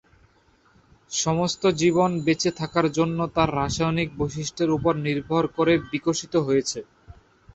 সমস্ত জীবন বেঁচে থাকার জন্য তার রাসায়নিক বৈশিষ্ট্যের উপর নির্ভর করে বিকশিত হয়েছে।